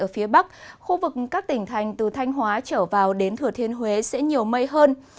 ở phía bắc khu vực các tỉnh thành từ thanh hóa trở vào đến thừa thiên huế sẽ nhiều mây hơn